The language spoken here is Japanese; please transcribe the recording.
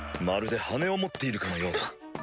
まるで羽を持っているかのようだ。